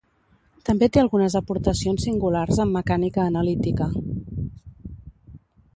També té algunes aportacions singulars en mecànica analítica.